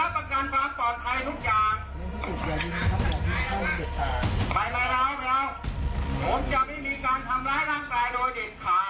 พี่จ่ายไป